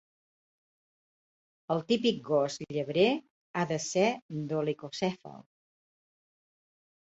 El típic gos llebrer ha de ser dolicocèfal.